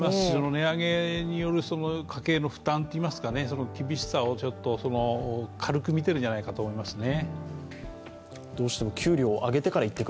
値上げによる家計の負担、厳しさを軽く見てるんじゃないかと思いますね。